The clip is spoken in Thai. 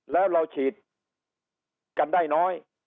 แล้วเราฉีดกันได้น้อย